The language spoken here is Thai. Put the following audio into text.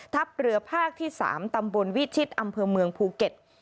เรือภาคที่๓ตำบลวิชิตอำเภอเมืองภูเก็ต